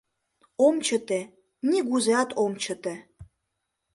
Ом чыте, нигузеат ом чыте!